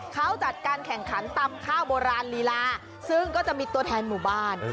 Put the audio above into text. เขาจัดการแข่งขันตำข้าวโบราณลีลาซึ่งก็จะมีตัวแทนหมู่บ้าน